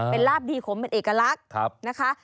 เป็นลาบดีขมเป็นเอกลักษณ์นะคะ